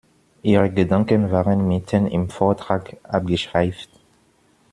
Ihre Gedanken waren mitten im Vortrag abgeschweift.